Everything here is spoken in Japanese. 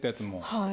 はい。